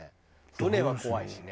船は怖いしね。